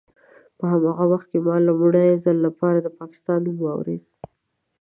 په هماغه وخت کې ما د لومړي ځل لپاره د پاکستان نوم واورېد.